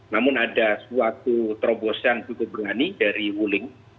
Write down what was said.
namun ada suatu terobosan cukup berani dari wuling